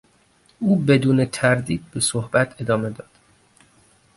او بدون تردید به صحبت ادامه داد.